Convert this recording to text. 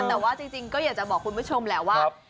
แต่ว่าจริงก็อยากจะบอกคุณผู้ชมแหละว่า